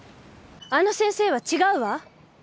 あの先生は違うわ。